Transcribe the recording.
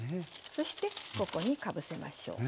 そしてここにかぶせましょう。